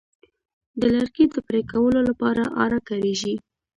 د لرګي د پرې کولو لپاره آره کاریږي.